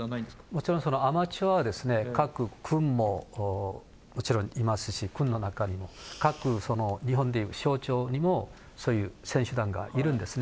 もちろんアマチュアは各軍ももちろんいますし、軍の中にも、かく、日本でいう省庁にも、そういう選手団がいるんですね。